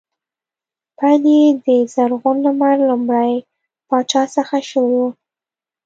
پیل یې د زرغون لمر لومړي پاچا څخه شوی و